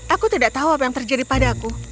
aku tidak tahu apa yang terjadi padaku